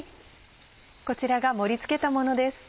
こちらが盛り付けたものです。